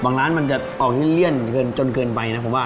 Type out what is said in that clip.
บางร้านมันจะออกที่เลี่ยนจนเคยนไปนะผมว่า